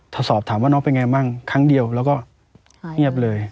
ถ้าสอบถามว่าน้องเป็นไงมั่งครั้งเดียวแล้วก็เงียบเลย